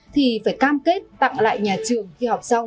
tặng lại nhà trường khi học xong